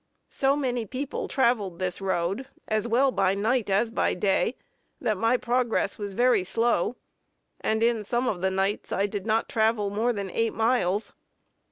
So many people traveled this road, as well by night as by day, that my progress was very slow; and in some of the nights I did not travel more than eight miles.